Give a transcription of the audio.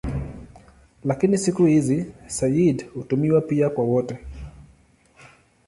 Lakini siku hizi "sayyid" hutumiwa pia kwa wote.